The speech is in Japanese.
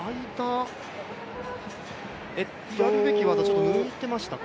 やるべき技、抜いていましたか。